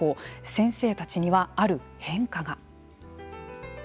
先生たちにはある変化が。